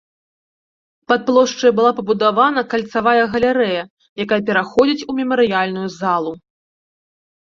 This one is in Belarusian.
Пад плошчай была пабудавана кальцавая галерэя, якая пераходзіць у мемарыяльную залу.